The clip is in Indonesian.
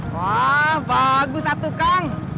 wah bagus atuh kang